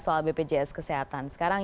soal bpjs kesehatan sekarang